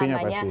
safety ya pasti